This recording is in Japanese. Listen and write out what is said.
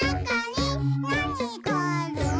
「なにがある？」